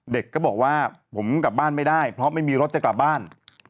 เด็กก็บอกว่าผมกลับบ้านไม่ได้เพราะไม่มีรถจะกลับบ้าน